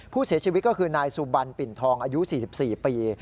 ผู้เสียชีวิตก็คือนายสุบันปิ่นทองอายุ๔๔ปี